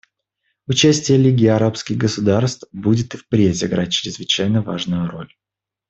Участие Лиги арабских государств будет и впредь играть чрезвычайно важную роль.